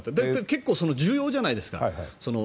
結構重要じゃないですか。